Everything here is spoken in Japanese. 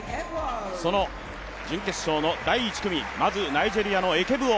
その準決勝の第１組、まずナイジェリア。